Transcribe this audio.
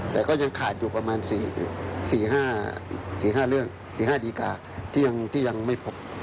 แต่ก็ยังขาดอยู่ประมาณ๔๕ดีการ์ที่ยังไม่พบ